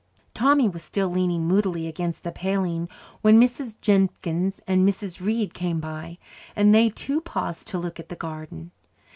Tommy was still leaning moodily against the paling when Mrs. Jenkins and Mrs. Reid came by, and they too paused to look at the garden.